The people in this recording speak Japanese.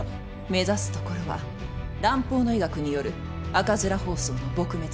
目指すところは蘭方の医学による赤面疱瘡の撲滅です。